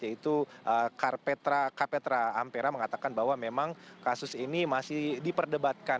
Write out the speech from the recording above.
yaitu kapetra ampera mengatakan bahwa memang kasus ini masih diperdebatkan